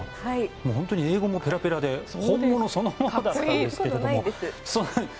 本当に英語もペラペラで本物そのものだということですけども。